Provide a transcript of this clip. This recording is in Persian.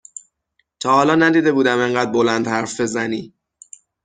تا حالا ندیده بودم انقدر بلند حرف بزنی